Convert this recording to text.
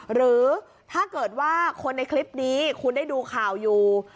หรือถ้าเกิดว่าคนในคลิปนี้คุณได้ดูข่าวอยู่